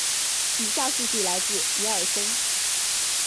以下数据来自尼尔森。